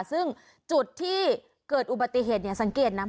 ซึ่งจุดที่เกิดอุบัติเหตุสังเกตนะ